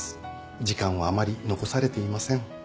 時間はあまり残されていません。